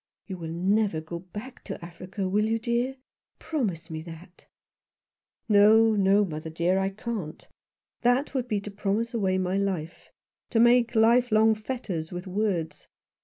You will never go back to Africa, will you, dear ? Promise me that !" "No, no, mother dear, I can't. That would be to promise away my life — to make lifelong fetters with words.